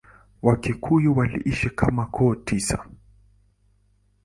Wakikuyu waliishi kama koo tisa.